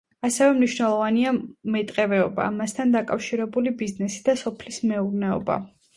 ასევე მნიშვნელოვანია მეტყევეობა, მასთან დაკავშირებული ბიზნესი და სოფლის მეურნეობა.